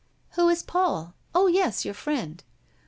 "Who is Paul? Oh, yes, your friend!"